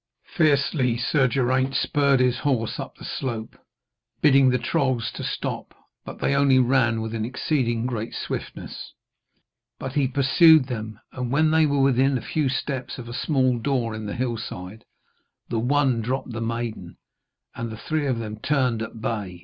Fiercely Sir Geraint spurred his horse up the slope, bidding the trolls to stop, but they only ran with an exceeding great swiftness. But he pursued them, and when they were within a few steps of a small door in the hillside, the one dropped the maiden, and the three of them turned at bay.